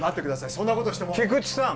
そんなことをしても菊知さん